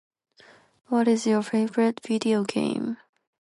What is your favorite video game?